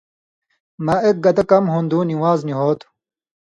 مہ ایک گتہ کم ہُون٘دُوں نِوان٘ز نی ہو تُھو۔